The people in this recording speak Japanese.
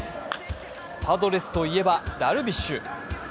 パドレスといえばダルビッシュ。